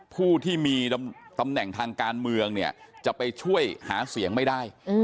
ผู้ที่มีตำแหน่งทางการเมืองเนี่ยจะไปช่วยหาเสียงไม่ได้